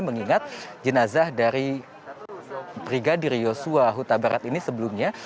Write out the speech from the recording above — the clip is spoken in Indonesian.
mengingat jenazah dari brigadir yosua huta barat ini sebelumnya